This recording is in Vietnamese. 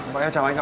mời em chào anh ạ